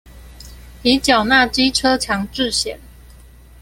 已繳納機車強制險